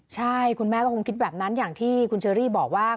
ใช่คุณแม่ก็คงคิดแบบนั้นอย่างที่คุณเชอรี่บอกว่า